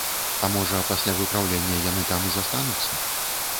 А можа, пасля выпраўлення яны там і застануцца?